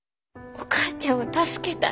お母ちゃんを助けたい。